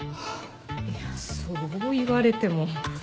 いやそう言われても。